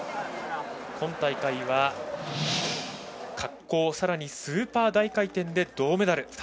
今大会は、滑降さらにスーパー大回転で銅メダル。